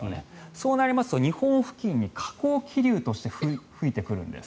そうなりますと日本付近に下降気流として吹いてくるんです。